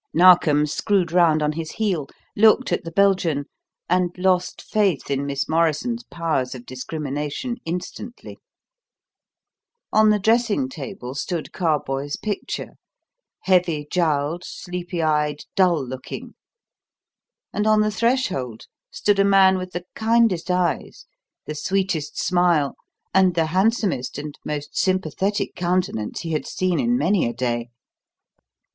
Narkom screwed round on his heel, looked at the Belgian, and lost faith in Miss Morrison's powers of discrimination instantly. On the dressing table stood Carboys' picture heavy jowled, sleepy eyed, dull looking and on the threshold stood a man with the kindest eyes, the sweetest smile, and the handsomest and most sympathetic countenance he had seen in many a day.